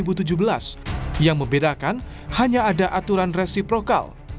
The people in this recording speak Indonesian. rpp nomor sebelas tahun dua ribu tujuh belas yang membedakan hanya ada aturan resiprokal